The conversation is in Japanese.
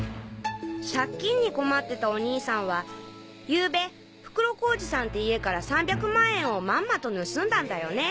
借金に困ってたお兄さんはゆうべ袋小路さんって家から３００万円をまんまと盗んだんだよね。